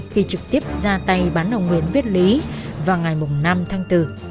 khi trực tiếp ra tay bán ông nguyễn viết lý vào ngày năm tháng bốn